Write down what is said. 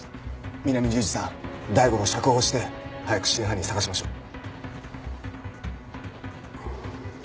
南十字さん大五郎を釈放して早く真犯人捜しましょう。